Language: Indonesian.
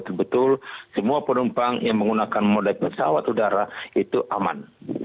betul betul semua penumpang yang menggunakan model pesawat udara itu aman